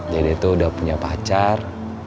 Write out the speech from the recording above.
dede tuh udah punya pacar